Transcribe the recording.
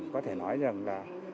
có thể nói rằng là